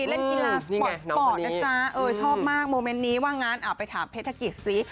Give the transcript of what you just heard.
เล่นกีฬาสปอร์ตสปอร์ตนะจ๊ะชอบมากโมเมนต์นี้ว่างั้นไปถามเพชรกิจซิ